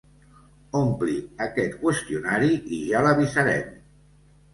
Ompli aquest qüestionari i ja l'avisarem.